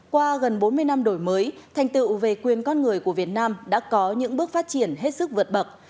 qua gần bốn mươi năm đổi mới thành tựu về quyền con người của việt nam đã có những bước phát triển hết sức vượt bậc